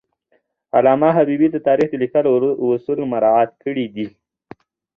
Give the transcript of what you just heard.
علامه حبیبي د تاریخ د لیکلو اصول مراعات کړي دي.